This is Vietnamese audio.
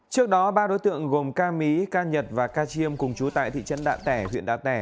trước đó ba đối tượng gồm ca mí ca nhật và ca chiêm cùng chú tại thị trấn đạ tẻ huyện đạ tẻ